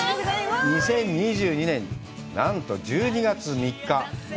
２０２２年、なんと１２月３日。